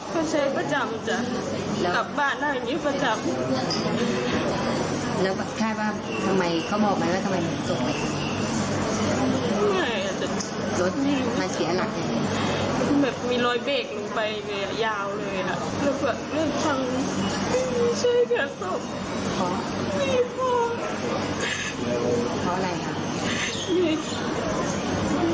ก็เลขบัญชีอยู่ที่หน้าจอนะครับท่านผู้ชมครับถ้าต้องการช่วยเหลือนะฮะ